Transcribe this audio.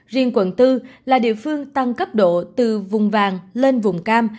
riêng quận bốn là địa phương tăng cấp độ từ vùng vàng lên vùng cam